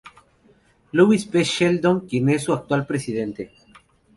Louis P. Sheldon quien es su actual presidente.